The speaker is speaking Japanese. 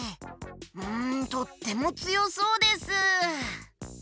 んとってもつよそうです！